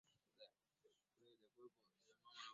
Pia kama moyo wa Maandiko matakatifu yote